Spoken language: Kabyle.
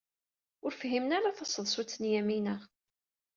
Ur fhimen ara taseḍsut n Yamina.